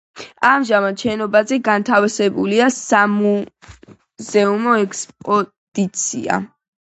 ამჟამად შენობაში განთავსებულია სამუზეუმო ექსპოზიცია.